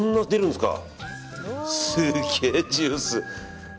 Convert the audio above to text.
すげえジュース。